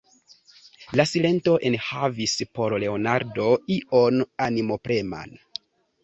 La silento enhavis por Leonardo ion animopreman.